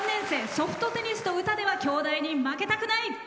ソフトテニスと歌ではきょうだいに負けたくない！